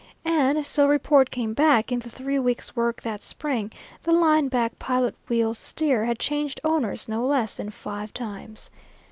And, so report came back, in the three weeks' work that spring, the line back pilot wheel steer had changed owners no less than five times.